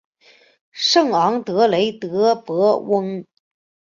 圣昂德雷德博翁。